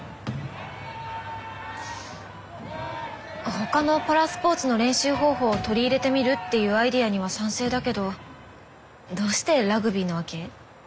他のパラスポーツの練習方法を取り入れてみるっていうアイデアには賛成だけどどうしてラグビーなわけ？